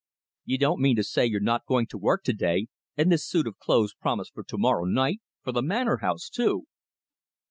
"You don't mean to say you're not going to work to day, and this suit of clothes promised for to morrow night for the Manor House too!"